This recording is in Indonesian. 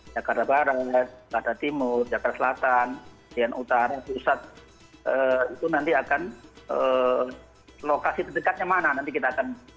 jika mereka ada barat ada timur jakarta selatan jalan utara jusat itu nanti akan lokasi terdekatnya mana nanti kita akan